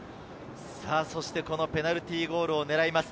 ペナルティーゴールを狙います。